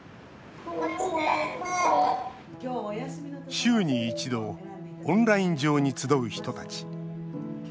週に一度オンライン上に集う人たち。